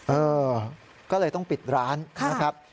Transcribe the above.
เออก็เลยต้องปิดร้านนะครับ